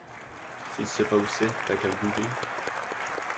Si tu sais pas où c'est, t'as qu'à le googler.